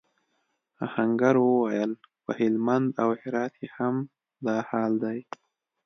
آهنګر وویل پهلمند او هرات کې هم دا حال دی.